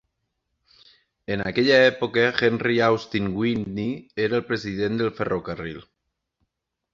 En aquella època, Henry Austin Whitney era el president del ferrocarril.